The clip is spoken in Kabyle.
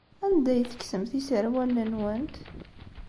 Anda ay tekksemt iserwalen-nwent?